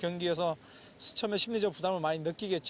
ketika bergabung dengan tim yang baik